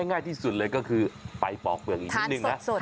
ง่ายที่สุดเลยก็คือไปปอกเปลือกอีกนิดนึงนะ